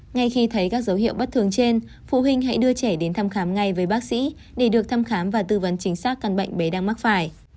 ngay khi thấy các dấu hiệu bất thường trên phụ huynh hãy đưa trẻ đến thăm khám ngay với bác sĩ để được thăm khám và tư vấn chính xác căn bệnh bé đang mắc phải